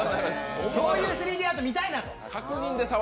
そういう３Ｄアートを見たいなと。